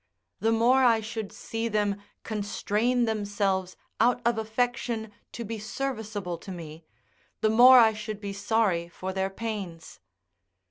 The more I should see them constrain themselves out of affection to be serviceable to me, the more I should be sorry for their pains.